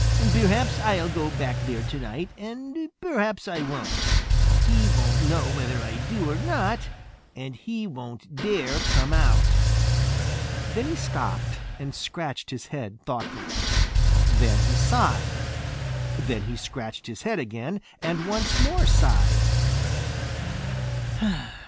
"Perhaps I'll go back there tonight and perhaps I won't. He won't know whether I do or not, and he won't dare come out." Then he stopped and scratched his head thoughtfully. Then he sighed. Then he scratched his head again and once more sighed.